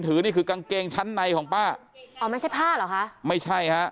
ถือนี่คือกางเกงชั้นในของปลาไม่ใช่พ่อหรอคะไม่ใช่น่ะ